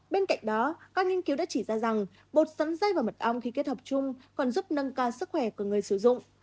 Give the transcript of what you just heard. bên cạnh đó các nghiên cứu đã chỉ ra rằng bột sắn dây và mật ong khi kết hợp chung còn giúp nâng cao sức khỏe của người sử dụng